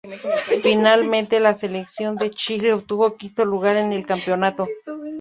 Finalmente la selección de Chile obtuvo quinto lugar en el campeonato.